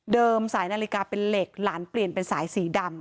สายนาฬิกาเป็นเหล็กหลานเปลี่ยนเป็นสายสีดำ